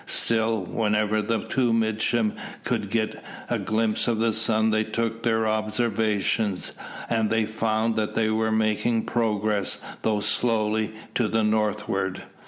Still, whenever the two midshipmen could get a glimpse of the sun they took their observations; and they found that they were making progress, though slowly, to the northward.